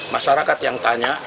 masyarakat yang tanya